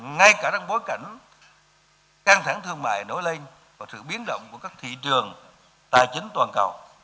ngay cả trong bối cảnh căng thẳng thương mại nổi lên và sự biến động của các thị trường tài chính toàn cầu